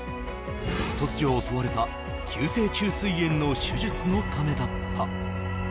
突如襲われた急性虫垂炎の手術のためだった。